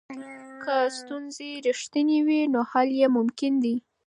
که ستونزې رښتینې وي نو حل یې ممکن دی.